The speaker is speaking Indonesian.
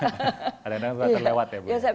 ada yang terlewat ya bu